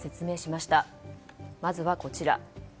まずはこちら。